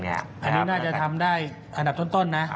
อันนี้น่าจะทำได้อันดับต้นนะ